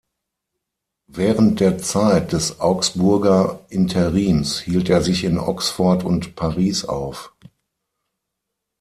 Während der Zeit des Augsburger Interims hielt er sich in Oxford und Paris auf.